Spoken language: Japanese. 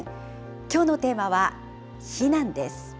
きょうのテーマは、避難です。